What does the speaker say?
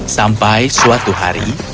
sampai suatu hari